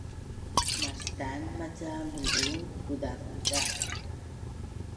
mastan maca mul’un kuzakuza